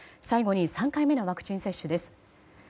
最後に３回目のワクチン接種です。